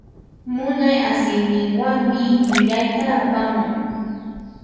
Munay asiyninwanmi llullayta apamun.